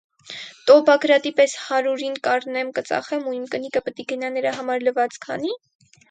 Տո՛, Բագրատի պես հարուրին կառնեմ-կծախեմ, ու իմ կնիկը պտի գնա նրա հմար լվացք անի՞: